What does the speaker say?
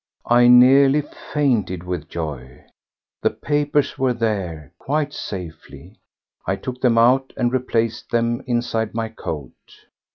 I nearly fainted with joy; the papers were there—quite safely. I took them out and replaced them inside my coat.